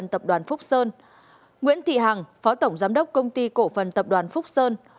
nguyễn thị hằng phó tổng giám đốc công ty cổ phần tập đoàn phúc sơn